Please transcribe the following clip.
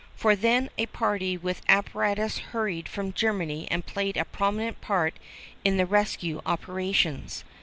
For then a party with apparatus hurried from Germany and played a prominent part in the rescue operations.